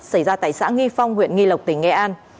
xảy ra tại xã nghi phong huyện nghi lộc tỉnh nghệ an